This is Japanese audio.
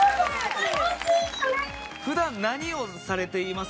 普段何をされています？